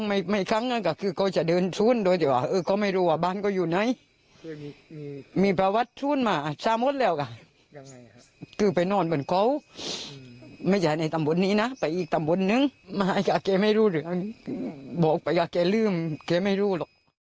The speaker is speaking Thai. ไม่มีอะไรใจรู้